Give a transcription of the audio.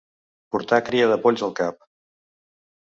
Portar cria de polls al cap.